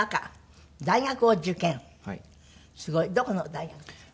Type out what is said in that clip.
どこの大学ですか？